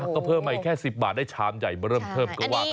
ก็เพิ่มอีกแค่๑๐บาทได้ชามใหญ่เริ่มก็ว่ากันไป